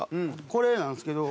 これなんですけど。